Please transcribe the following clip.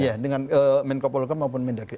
iya dengan menko polhukam maupun mendagri